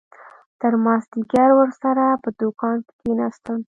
تر مازديگره ورسره په دوکان کښې کښېناستم.